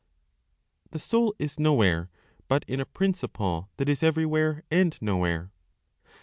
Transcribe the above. THE SOUL IS NOWHERE BUT IN A PRINCIPLE THAT IS EVERYWHERE AND NOWHERE.